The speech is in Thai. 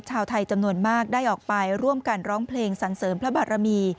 ชาวไทยจำนวนมากได้ออกไปร่วมกันร้องเพลงสันเสริมพระบารมี